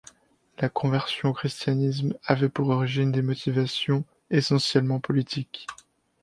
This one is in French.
La conversion au christianisme avait pour origine des motivations essentiellement politiques.